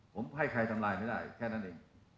ผมให้ใครทำลายไม่ได้แค่นั้นเอง